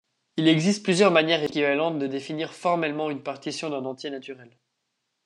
Il existe plusieurs manières équivalentes de définir formellement une partition d'un entier naturel.